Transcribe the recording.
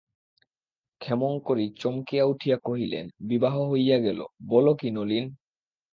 ক্ষেমংকরী চমকিয়া উঠিয়া কহিলেন, বিবাহ হইয়া গেল–বল কী নলিন!